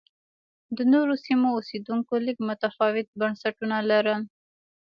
د نورو سیمو اوسېدونکو لږ متفاوت بنسټونه لرل